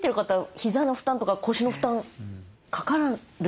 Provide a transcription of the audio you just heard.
ひざの負担とか腰の負担かかるんじゃないですか？